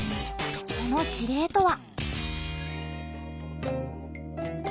その事例とは。